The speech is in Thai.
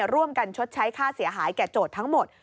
ชดใช้ค่าเสียหายแก่โจทย์ทั้งหมด